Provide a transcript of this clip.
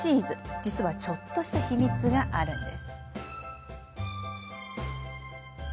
実は、ちょっとした秘密があるんです。